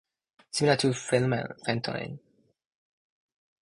Similar to phenytoin.